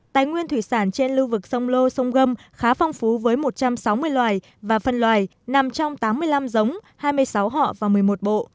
tài nguyên thủy sản trên lưu vực sông lô sông gâm khá phong phú với một trăm sáu mươi loài và phân loài nằm trong tám mươi năm giống hai mươi sáu họ và một mươi một bộ